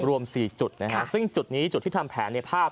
รวม๔จุดนะฮะซึ่งจุดนี้จุดที่ทำแผนในภาพ